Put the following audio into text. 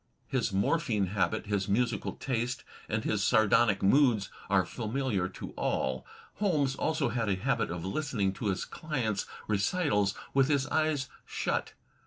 His morphine habit, his musical taste and his sardonic moods are familiar to all. Holmes also had a habit of listening to his clients' recitals with his eyes shut.